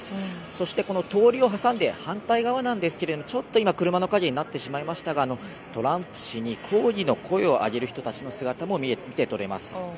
そして、この通りを挟んで反対側なんですけれどもちょっと今車の陰になってしまいましたがトランプ氏に抗議の声を上げる人たちの姿も見て取れます。